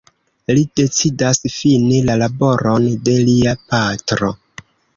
Li decidas fini la laboron de lia patro.